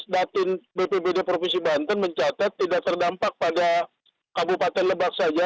datin bpbd provinsi banten mencatat tidak terdampak pada kabupaten lebak saja